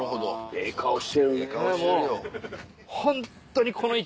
ええ顔してるよ。